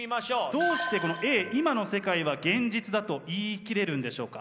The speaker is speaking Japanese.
どうしてこのＡ今の世界は現実だと言い切れるんでしょうか？